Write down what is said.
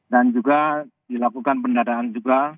dan juga dilakukan pendataan juga